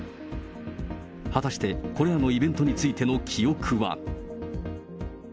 果たしてこれらのイベントについての記憶は。